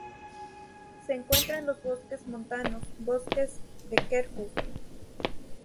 Se encuentra en los bosques montanos, bosques de "Quercus".